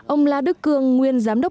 ông la đức cương nguyên giám đốc